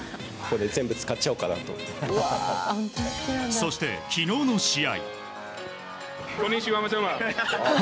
そして昨日の試合。